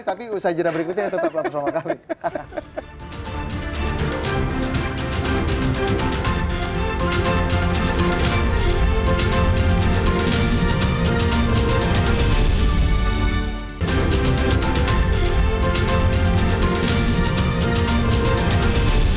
tapi usai jenak berikutnya tetap bersama kami